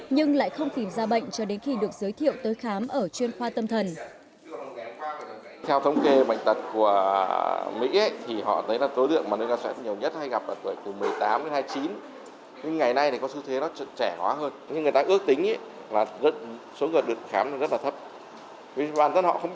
nhưng lại không tìm ra bệnh cho đến khi được giới thiệu tới khám ở chuyên khoa tâm thần